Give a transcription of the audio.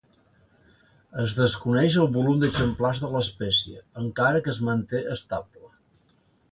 Es desconeix el volum d'exemplars de l'espècie, encara que es manté estable.